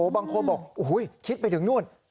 บางคนบอกคิดไปถึงนู่น